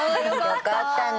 よかったね。